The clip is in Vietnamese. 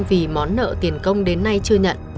vì món nợ tiền công đến nay chưa nhận